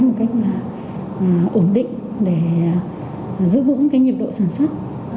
một cách là ổn định để giữ vững cái nhiệm độ sản xuất